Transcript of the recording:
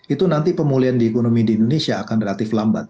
itu nanti pemulihan di ekonomi di indonesia akan relatif lambat